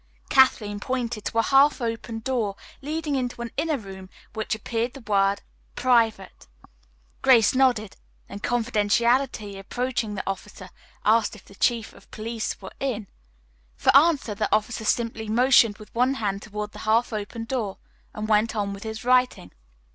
Kathleen pointed to a half open door leading into an inner room on which appeared the word "Private." Grace nodded: then, confidently approaching the officer, asked if the Chief of Police were in. For answer the officer simply motioned with one hand toward the half open door and went on with his writing.